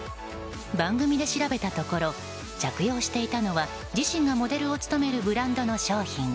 番組で調べたところ着用していたのは自身がモデルを務めるブランドの商品。